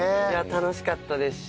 楽しかったですし。